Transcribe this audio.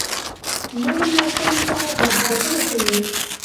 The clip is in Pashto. نظم ماشوم ته مهارتونه ښيي.